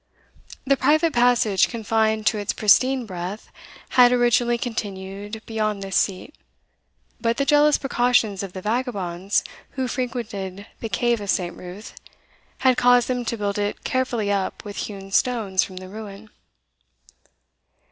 The private passage, confined to its pristine breadth, had originally continued beyond this seat; but the jealous precautions of the vagabonds who frequented the cave of St. Ruth had caused them to build it carefully up with hewn stones from the ruin.